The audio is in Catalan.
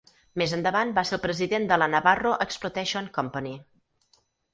Més endavant va ser el president de la Navarro Explotation Company.